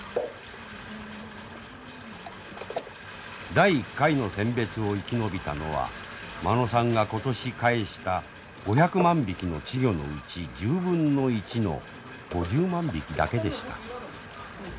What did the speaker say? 第１回の選別を生き延びたのは間野さんが今年かえした５００万匹の稚魚のうち１０分の１の５０万匹だけでした。